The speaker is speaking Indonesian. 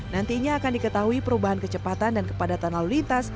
nantinya akan diketahui perubahan kecepatan dan kepadatan lalulitas